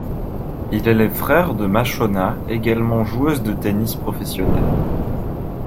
Il est le frère de Mashona, également joueuse de tennis professionnelle.